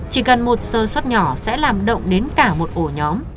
chỉ cần một sơ suất nhỏ sẽ làm động đến cả một ổ nhóm